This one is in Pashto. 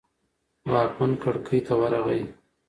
واکمن کړکۍ ته ورغی.